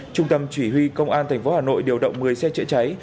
trung tâm chỉ huy công an thành phố hà nội điều động một mươi xe chữa cháy